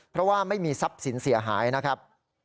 เพราะว่าไม่มีทรัพย์สินเสียหายนะครับ